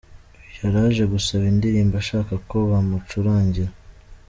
Uyu yari aje gusaba indirimbo ashaka ko bamucurangira.